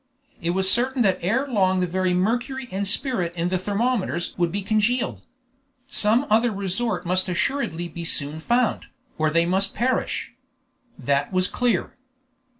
It was certain that ere long the very mercury and spirit in the thermometers would be congealed. Some other resort must assuredly be soon found, or they must perish. That was clear.